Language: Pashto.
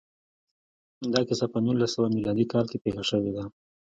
دا کیسه په نولس سوه میلادي کال کې پېښه شوې ده